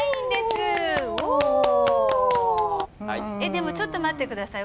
でもちょっと待って下さい。